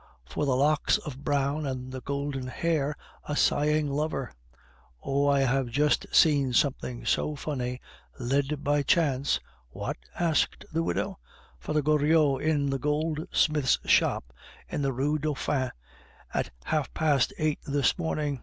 "For the locks of brown and the golden hair A sighing lover... "Oh! I have just seen something so funny .... led by chance." "What?" asked the widow. "Father Goriot in the goldsmith's shop in the Rue Dauphine at half past eight this morning.